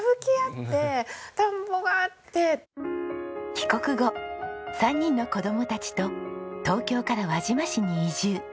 帰国後３人の子供たちと東京から輪島市に移住。